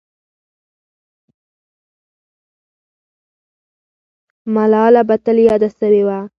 ملاله به تل یاده سوې وه.